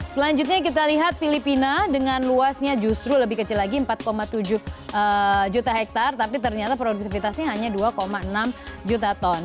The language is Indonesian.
selanjutnya kita lihat filipina dengan luasnya justru lebih kecil lagi empat tujuh juta hektare tapi ternyata produktivitasnya hanya dua enam juta ton